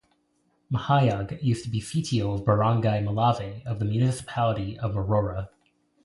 Mahayag used to be sitio of barangay Molave of the municipality of Aurora.